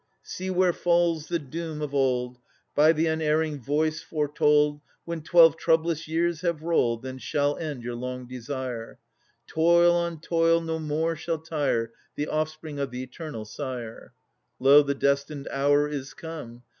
See where falls the doom, of old I 1 By the unerring Voice foretold, 'When twelve troublous years have rolled, Then shall end your long desire: Toil on toil no more shall tire The offspring of the Eternal Sire.' Lo! the destined Hour is come!